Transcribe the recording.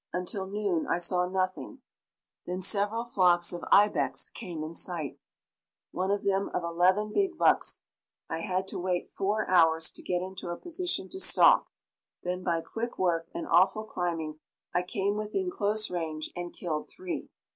Until noon I saw nothing; then several flocks of ibex came in sight, one of them of eleven big bucks. I had to wait four hours to get into a position to stalk; then by quick work and awful climbing I came within close range and killed three.